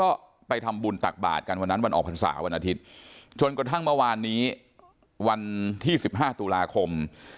วันออกภาษาวันอาทิตย์จนกว่าท่างเมื่อวานนี้วันที่๑๕ตุลาคม